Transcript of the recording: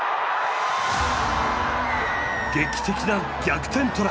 劇的な逆転トライ。